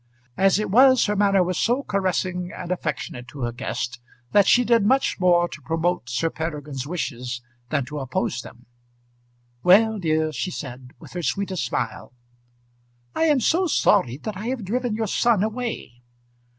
As it was, her manner was so caressing and affectionate to her guest, that she did much more to promote Sir Peregrine's wishes than to oppose them. "Well, dear," she said, with her sweetest smile. "I am so sorry that I have driven your son away."